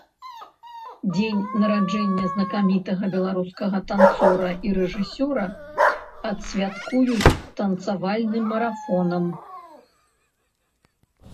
Дзень нараджэння знакамітага беларускага танцора і рэжысёра адсвяткуюць танцавальным марафонам.